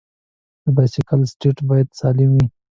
د بایسکل سیټ باید سالم وي.